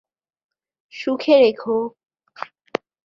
সুখে রেখো।